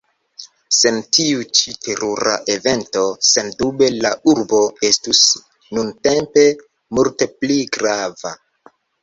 Sen tiu ĉi terura evento, sendube la urbo estus nuntempe multe pli grava.